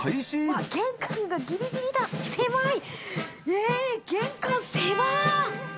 わぁ玄関がギリギリだ狭い！